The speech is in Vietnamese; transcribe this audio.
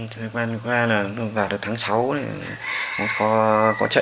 thời gian qua vào tháng sáu có chạy qua